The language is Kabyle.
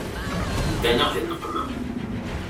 Ddan-aɣ di nneqma.